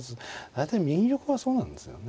大体右玉はそうなんですよね。